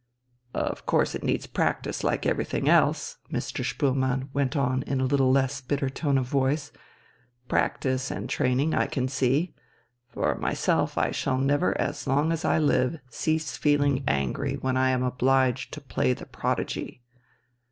"Of course it needs practice like everything else," Mr. Spoelmann went on in a little less bitter tone of voice "practice and training, I can see. For myself I shall never as long as I live cease feeling angry when I am obliged to play the prodigy."